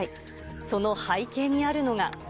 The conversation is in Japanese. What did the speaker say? その背景にあるのが。